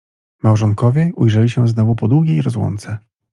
Małżonkowie ujrzeli się znowu po długiej rozłące.